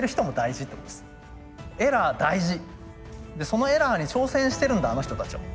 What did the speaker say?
そのエラーに挑戦してるんだあの人たちは。